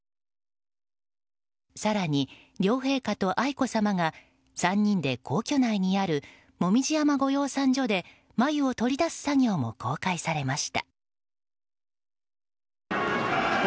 更に、両陛下と愛子さまが３人で皇居内にある紅葉山御養蚕所でまゆを取り出す作業も公開されました。